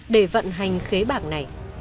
để vận hành khế bạc này